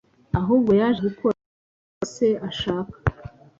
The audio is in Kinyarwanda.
ahubwo yaje gukora ibyo Se ashaka,